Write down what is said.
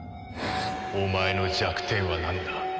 お前の弱点はなんだ？